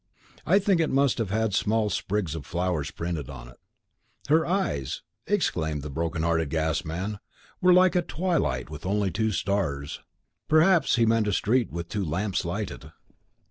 I think it must have had small sprigs of flowers printed on it. Her eyes, exclaimed the broken hearted gas man, were like "a twilight with only two stars." Perhaps he meant a street with two lamps lighted.